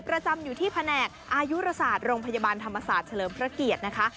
ประจำอยู่ที่แผนกอายุรศาสตร์โรงพยาบาลธรรมศาสตร์เฉลิมพระเกียรตินะคะ